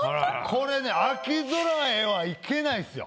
これね「秋空へ」はいけないっすよ。